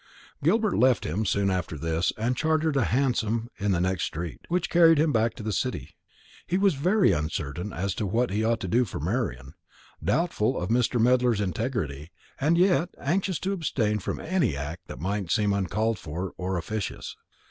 Gilbert left him soon after this, and chartered a hansom in the next street, which carried him back to the City. He was very uncertain as to what he ought to do for Marian, doubtful of Mr. Medler's integrity, and yet anxious to abstain from any act that might seem uncalled for or officious.